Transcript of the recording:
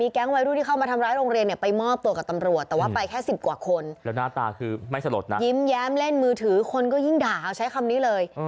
คือไม่สลดนะยิ้มแย้มเล่นมือถือคนก็ยิ่งด่าใช้คำนี้เลย